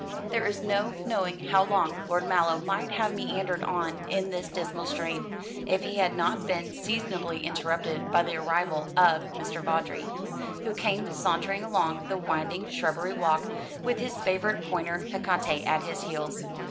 There is no knowing how long Lord Mallow might have meandered on in this dismal strain, if he had not been seasonably interrupted by the arrival of Mr. Vawdrey, who came sauntering along the winding shrubbery walk, with his favourite pointer Hecate at his heels.